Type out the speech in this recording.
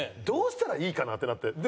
どうしたらいいかな？ってなって。